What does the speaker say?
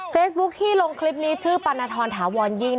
เซ็ตบุ๊คที่ลงคลิปนี้ชื่อปรณฑรถาวรยิง